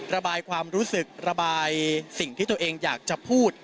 ระบายความรู้สึกระบายสิ่งที่ตัวเองอยากจะพูด